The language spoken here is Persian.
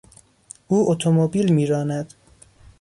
او اتومبیل میراند.